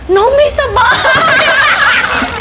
น้องไม่สบาย